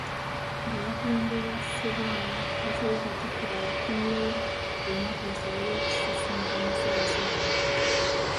Nga bakulemberwa Ssebwana baasabye Katikkiro abafunireyo olunaku basobole okusisinkana Ssabasajja.